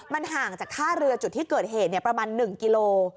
มันห่างจากท่าเรือจุดที่เกิดเหตุประมาณ๑กิโล